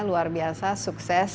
luar biasa sukses